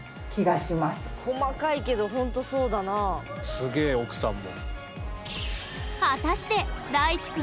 すげえ奥さんも。